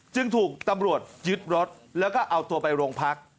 จึงถูกตำรวจยึดรถแล้วก็เอาตัวไปโรงพัก